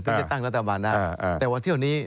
จะตั้งรัฐบาลนะครับแต่วันที่วันนี้